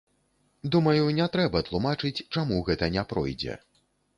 Думаю, не трэба тлумачыць, чаму гэта не пройдзе.